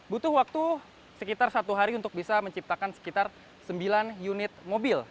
butuh waktu sekitar satu hari untuk bisa menciptakan sekitar sembilan unit mobil